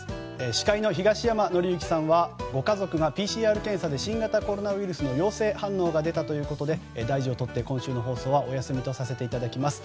司会の東山紀之さんはご家族がＰＣＲ検査で新型コロナウイルスの陽性反応が出たということで大事をとって今週の放送はお休みとさせていただきます。